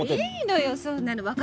いいのよそんなの。